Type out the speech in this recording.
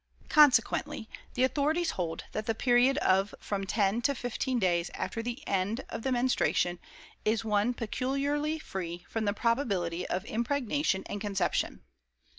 Consequently, the authorities hold that the period of from ten to fifteen days after the END of the menstruation is one peculiarly free from the probability of impregnation and conception.